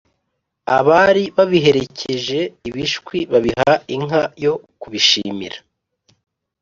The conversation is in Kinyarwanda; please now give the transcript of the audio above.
abari babiherekeje ibishwi babiha inka yo kubishimira